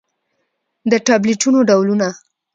د ټابليټنو ډولونه: